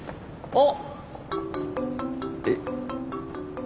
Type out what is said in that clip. あっ。